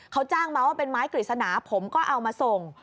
เขาจ้างมาว่าเป็นไม้กฤษณาผมก็เอามาส่ง